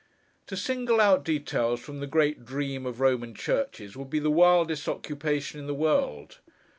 To single out details from the great dream of Roman Churches, would be the wildest occupation in the world.